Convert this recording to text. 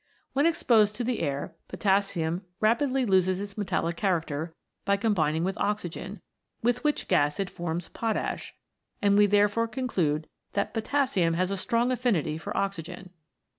When exposed to the air potassium rapidly loses its metallic character by combining with oxygen, with which gas it forms potash ; we therefore conclude that potassium has a strong affinity for oxygen.